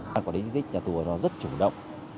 đã có đến di tích nhà tù hòa lòi rất chủ động